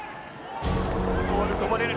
ボールこぼれる。